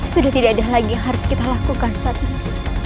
sudah tidak ada lagi yang harus kita lakukan saat ini